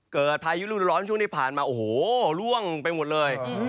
พายุรุ่นร้อนช่วงที่ผ่านมาโอ้โหล่วงไปหมดเลย